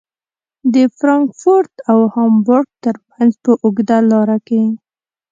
د فرانکفورت او هامبورګ ترمنځ په اوږده لاره کې.